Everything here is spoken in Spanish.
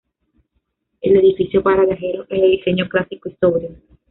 El edificio para viajeros es de diseño clásico y sobrio.